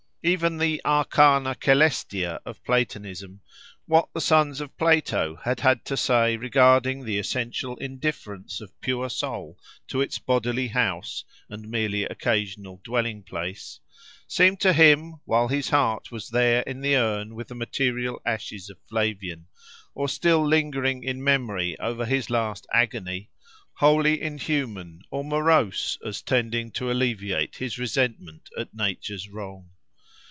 Even the Arcana Celestia of Platonism—what the sons of Plato had had to say regarding the essential indifference of pure soul to its bodily house and merely occasional dwelling place—seemed to him while his heart was there in the urn with the material ashes of Flavian, or still lingering in memory over his last agony, wholly inhuman or morose, as tending to alleviate his resentment at nature's wrong.